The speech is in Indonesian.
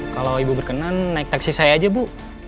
kalau ibu berkenan naik taksi saya aja bu